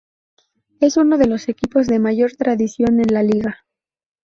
Es uno de los equipos de mayor tradición en la liga.